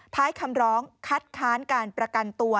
ท้ายคำร้องคัดค้านการประกันตัว